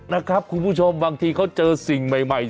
ว่าบางทีเขาเจอสิ่งใหม่